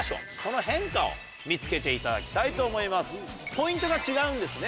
ポイントが違うんですね